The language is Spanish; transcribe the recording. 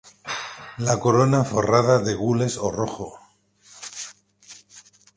La corona forrada de gules o rojo.